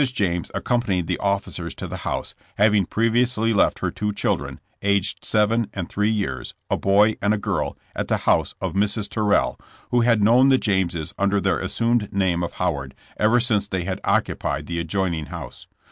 James accompanied the officers to the house, having previously left her two children, aged seven and three years, a boy and a girl, at the house of a Mrs. Terrel, who had known the Jameses under their assumeu name of Howard ever since they had occu pied the adjoining house.